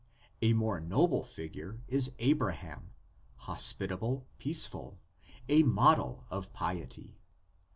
A more noble figure is Abraham, hospitable, peaceful, a model of piety.